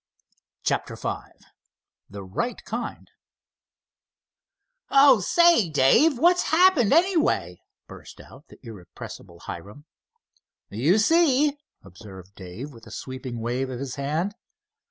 CHAPTER V "THE RIGHT KIND" "Oh, say, Dave, what's happened, anyway?" burst out the irrepressible Hiram. "You see," observed Dave, with a sweeping wave of his hand.